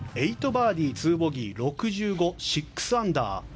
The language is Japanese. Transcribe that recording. ８バーディー２ボギー６５６アンダー。